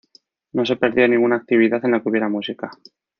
No se perdía ninguna actividad en la que hubiera música.